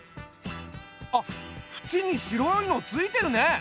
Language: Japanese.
あっふちに白いの付いてるね。